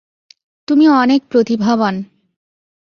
তুমি অনেক প্রতিভাবান।